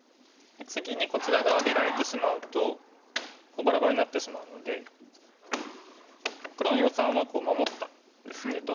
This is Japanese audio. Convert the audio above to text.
次にこちら側出られてしまうとバラバラになってしまうので黒の余さんはこう守ったんですけど。